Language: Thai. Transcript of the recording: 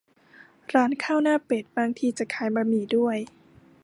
ร้านข้าวหน้าเป็ด บางทีจะขายบะหมี่ด้วย